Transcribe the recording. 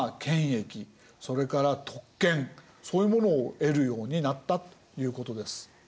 それから特権そういうものを得るようになったということです。